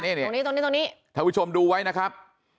ตรงนี้ท่านผู้ชมดูไว้นะครับ